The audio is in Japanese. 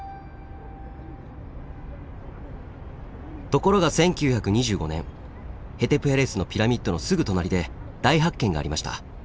ところが１９２５年ヘテプヘレスのピラミッドのすぐ隣で大発見がありました。